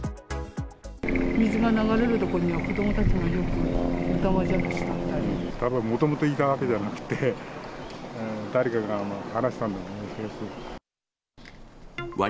水が流れる所には子どもたちがよく、たぶんもともといたわけではなくて、誰かが放したんだと思うけど。